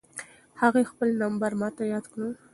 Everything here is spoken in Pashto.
هغې خپل نمبر ماته یاد کړ.